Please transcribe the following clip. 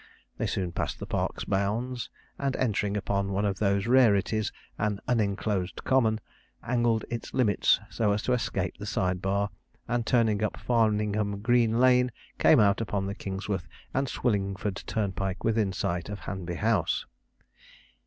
They soon passed the park's bounds, and entering upon one of those rarities an unenclosed common, angled its limits so as to escape the side bar, and turning up Farningham Green lane, came out upon the Kingsworth and Swillingford turnpike within sight of Hanby House.